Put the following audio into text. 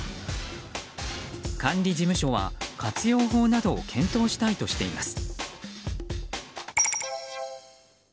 管理事務所は、活用法などを検討したいとしています。